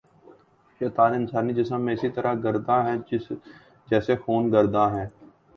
شیطان انسانی جسم میں اسی طرح گرداں ہے جیسے خون گرداں ہے